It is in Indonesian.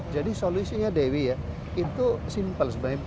jadi solusinya dewi ya itu simple sebenarnya